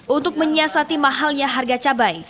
untuk menyiasati mahalnya harga cabai